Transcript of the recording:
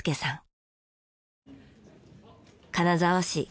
金沢市。